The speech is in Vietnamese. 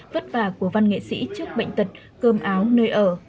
vất vả của văn nghệ sĩ trước bệnh tật cơm áo nơi ở